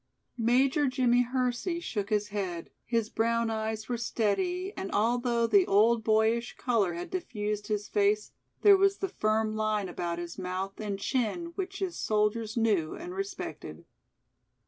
Major Jimmie Hersey shook his head, his brown eyes were steady and although the old boyish color had diffused his face, there was the firm line about his mouth and chin which his soldiers knew and respected.